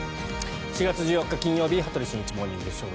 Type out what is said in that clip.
４月１４日、金曜日「羽鳥慎一モーニングショー」。